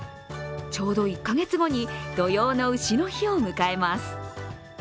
ちょうど１カ月後に土用の丑の日を迎えます。